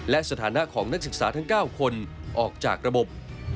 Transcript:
และสถานะของนักศึกษาทั้ง๙คนออกจากระบบ